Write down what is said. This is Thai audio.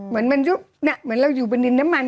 มันย่วบเหมือนนั้น